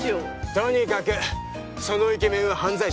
とにかくそのイケメンは犯罪者だ。